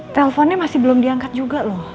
teleponnya masih belum diangkat juga loh